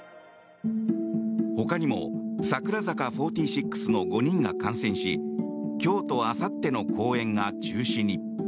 ほかにも櫻坂４６の５人が感染し今日とあさっての公演が中止に。